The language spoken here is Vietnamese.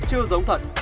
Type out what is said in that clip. chưa giống thật